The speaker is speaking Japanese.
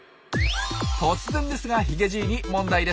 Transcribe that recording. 突然ですがヒゲじいに問題です。